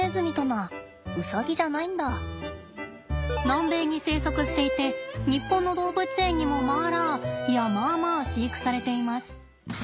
南米に生息していて日本の動物園にもマーラーいやマーマー飼育されています。